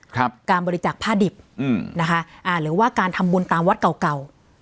การบริจาคผ้าดิบอืมนะคะอ่าหรือว่าการทำบุญตามวัดเก่าเก่า